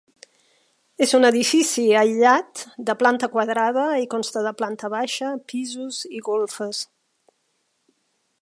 És un edifici aïllat de planta quadrada i consta de planta baixa, pisos i golfes.